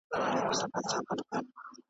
ملتونه د سولې اړتیا لري.